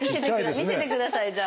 見せてくださいじゃあ我々に。